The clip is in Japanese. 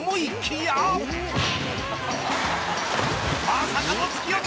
［まさかの］